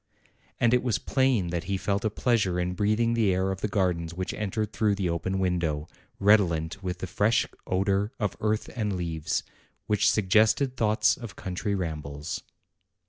And it was plain that he felt a pleasure in breathing the air of the gardens which entered through the open window, redolent with the fresh odor of earth and leaves, which suggested thoughts of country rambles.